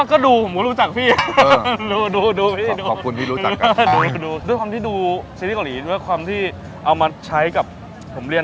ก็ดูผมก็รู้จักพี่